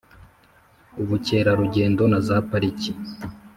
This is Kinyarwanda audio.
Ubukerarugendo na za Pariki